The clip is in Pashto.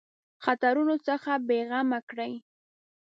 خطرونو څخه بېغمه کړي.